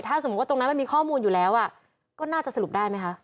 ถ้าสมมุติว่าตรงนั้นมันมีข้อมูลอยู่แล้วก็น่าจะสรุปได้ไหมคะ